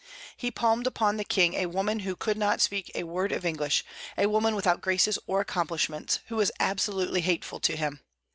He palmed upon the King a woman who could not speak a word of English, a woman without graces or accomplishments, who was absolutely hateful to him.